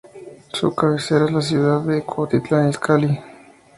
Su cabecera es la ciudad de Cuautitlán Izcalli.